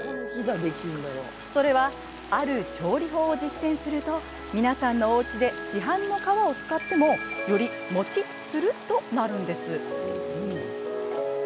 それはある調理法を実践すると皆さんのおうちで市販の皮を使ってもよりもちっつるっとなるんです。